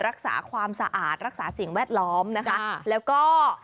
รักษาความสะอาดรักษาสิ่งแวดล้อมนะคะแล้วก็